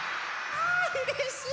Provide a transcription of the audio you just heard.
あうれしい！